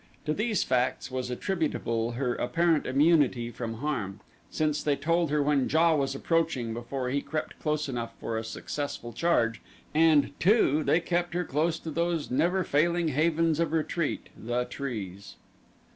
To these facts was attributable her apparent immunity from harm, since they told her when JA was approaching before he crept close enough for a successful charge and, too, they kept her close to those never failing havens of retreat the trees.